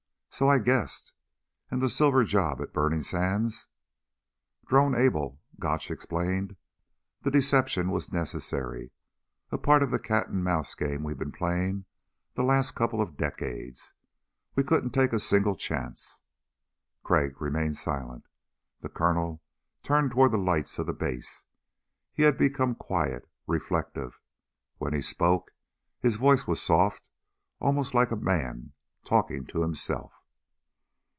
"So I guessed. And the silver job at Burning Sands?" "Drone Able," Gotch explained. "The deception was necessary a part of the cat and mouse game we've been playing the last couple of decades. We couldn't take a single chance." Crag remained silent. The Colonel turned toward the lights of the Base. He had become quiet, reflective. When he spoke, his voice was soft, almost like a man talking to himself.